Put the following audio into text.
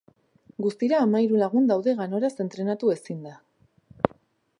Guztira hamahiru lagun daude ganoraz entrenatu ezinda.